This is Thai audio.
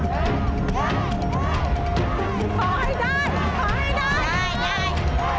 ขอให้ได้ขอให้ได้ยาย